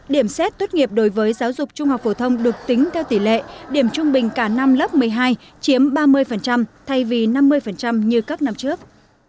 điểm xét tốt nghiệp đối với giáo dục trung học phổ thông được tính theo tỷ lệ điểm trung bình cả năm lớp một mươi hai chiếm ba mươi thay vì năm mươi như các năm trước